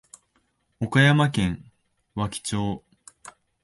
岡山県和気町